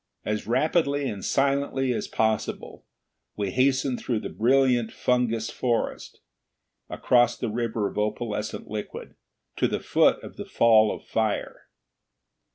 As rapidly and silently as possible we hastened through the brilliant fungous forest, across the river of opalescent liquid, to the foot of the fall of fire.